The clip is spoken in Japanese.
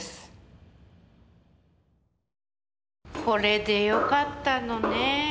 これでよかったのね。